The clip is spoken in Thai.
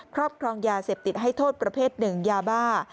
ครอบครองยาเสพติดให้โทษประเภทหนึ่งยาบ้า